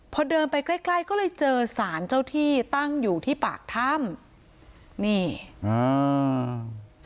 พอเดินไปใกล้ใกล้ก็เลยเจอสารเจ้าที่ตั้งอยู่ที่ปากถ้ำนี่อ่า